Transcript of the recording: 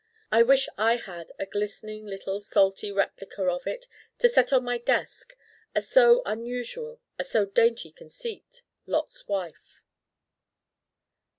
I wish I had a glistening little salty replica of it to set on my desk: a so unusual, a so dainty conceit, Lot's Wife!